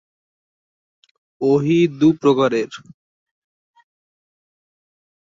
ওহী দু প্রকারের।